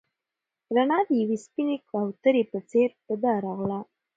رڼا د یوې سپینې کوترې په څېر په ده راغله.